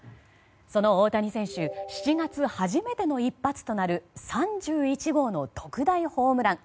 その大谷選手７月、初めての一発となる３１号の特大ホームラン。